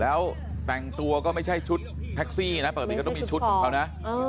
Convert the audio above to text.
แล้วแต่งตัวก็ไม่ใช่ชุดแท็กซี่นะปกติก็ต้องมีชุดของเขานะ